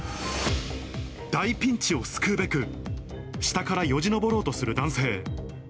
大ピンチを救うべく、下からよじ登ろうとする男性。